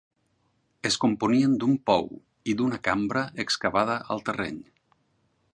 Es componien d'un pou i d'una cambra excavada al terreny.